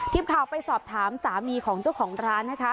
ทีมข่าวไปสอบถามสามีของเจ้าของร้านนะคะ